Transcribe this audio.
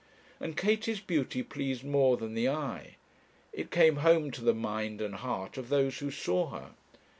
And Katie's beauty pleased more than the eye it came home to the mind and heart of those who saw her.